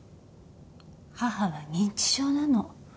母は認知症なの。